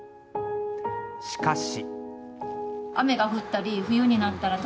しかし。